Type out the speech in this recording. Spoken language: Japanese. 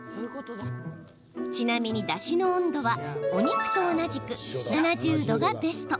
ちなみに、だしの温度はお肉と同じく７０度がベスト。